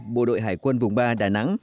bộ đội hải quân vùng ba đà nẵng